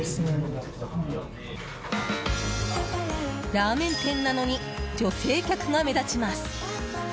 ラーメン店なのに女性客が、目立ちます。